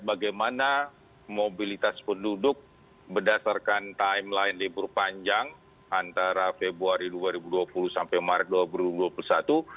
bagaimana mobilitas penduduk berdasarkan timeline libur panjang antara februari dua ribu dua puluh sampai maret dua ribu dua puluh satu